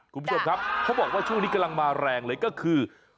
คุณผู้ชมครับเขาบอกว่าช่วงนี้กำลังมาแรงเลยก็คือ